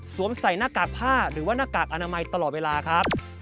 ๒สวมใส่หน้ากากผ้าหรือหน้ากากอนามัยตลอดเวลา